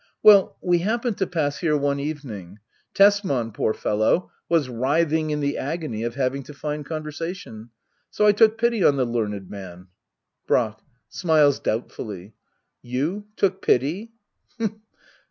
Well, we happened to pass here one evening ; Tesman, poor fellow, was writhing in the agony of having to find conversation ; so I took pity on the learned man Brack. [Smiles doubtfuUi^,] You took pity?